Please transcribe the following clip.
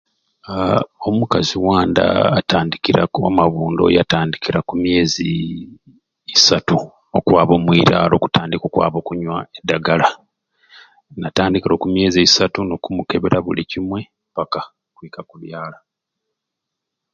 Haa omukazi wanda atandikira atandikira ku myezi isatu okwaba omwilwaro okutandika okwaba okunywa edagala natandkira oku myezi esatu nebamukebera buli kyimwei mpaka kwika kubyala